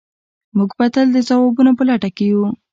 موږ به تل د ځوابونو په لټه کې یو.